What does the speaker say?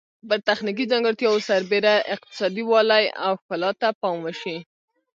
پر تخنیکي ځانګړتیاوو سربیره اقتصادي والی او ښکلا ته پام وشي.